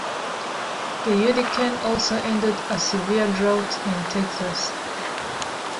The hurricane also ended a severe drought in Texas.